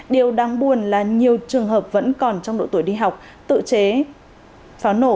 điều đáng buồn là nhiều trường hợp vẫn còn trong độ tuổi đi học tự chế pháo nổ